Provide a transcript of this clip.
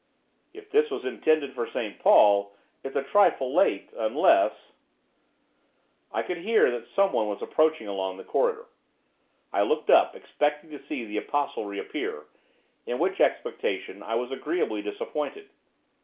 'If this was intended for St Paul, it's a trifle late; unless ' I could hear that someone was approaching along the corridor. I looked up, expecting to see the Apostle reappear; in which expectation I was agreeably disappointed.